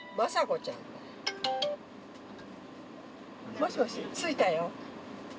もしもし着いたよ。